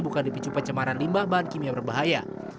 bukan dipicu pencemaran limbah bahan kimia berbahaya